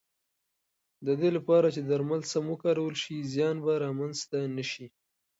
د دې لپاره چې درمل سم وکارول شي، زیان به رامنځته نه شي.